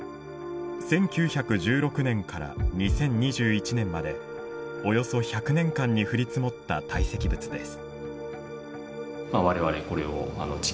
１９１６年から２０２１年までおよそ１００年間に降り積もった堆積物です。